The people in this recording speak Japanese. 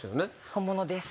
本物です。